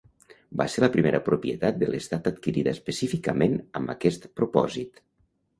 Va ser la primera propietat de l'estat adquirida específicament amb aquest propòsit.